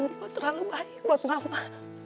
tapi kalian buat terlalu baik buat mama